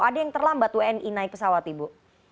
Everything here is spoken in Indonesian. ada yang terlambat wni naik pesawat ibu